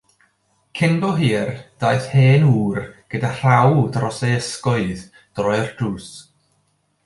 Cyn bo hir daeth hen ŵr gyda rhaw dros ei ysgwydd drwy'r drws.